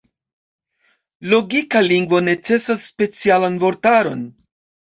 Logika lingvo necesas specialan vortaron.